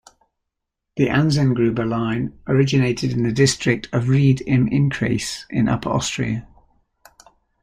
The Anzengruber line originated in the district of Ried im Innkreis in Upper Austria.